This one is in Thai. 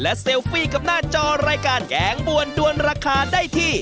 เซลฟี่กับหน้าจอรายการแกงบวนด้วนราคาได้ที่